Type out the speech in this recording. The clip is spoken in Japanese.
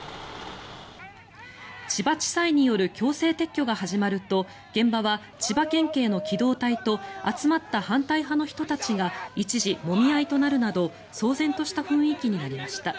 千葉地裁による強制撤去が始まると現場は千葉県警の機動隊と集まった反対派の人たちが一時、もみ合いとなるなど騒然とした雰囲気になりました。